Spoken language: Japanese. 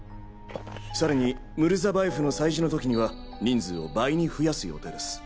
さらにムルザバエフの催事の時には人数を倍に増やす予定です。